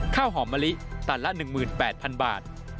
ข้าวหอมมะลิตันละ๑๘๐๐๐บาท